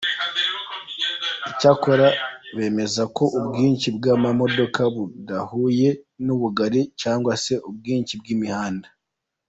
Icyakora bemeza ko ubwinshi bw’amamodoka budahuye n’ubugari cyangwa se ubwinshi bw’imihanda.